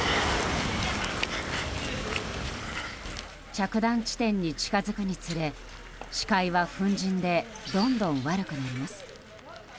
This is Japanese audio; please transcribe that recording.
着弾地点に近づくにつれ視界は粉じんでどんどん悪くなります。